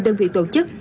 đơn vị tổ chức